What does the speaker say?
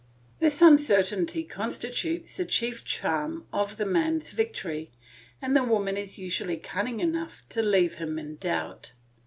This uncertainty constitutes the chief charm of the man's victory, and the woman is usually cunning enough to leave him in doubt.